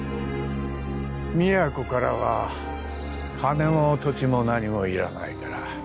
美也子からは金も土地も何もいらないから